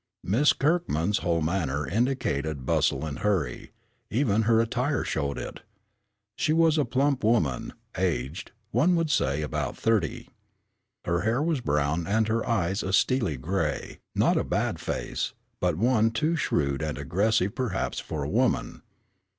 Miss Kirkman's whole manner indicated bustle and hurry. Even her attire showed it. She was a plump woman, aged, one would say about thirty. Her hair was brown and her eyes a steely grey not a bad face, but one too shrewd and aggressive perhaps for a woman.